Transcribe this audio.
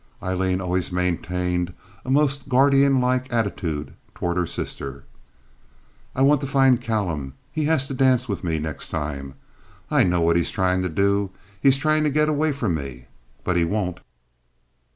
Aileen always maintained a most guardian like attitude toward her sister. "I want to find Callum. He has to dance with me next time. I know what he's trying to do. He's trying to get away from me. But he won't."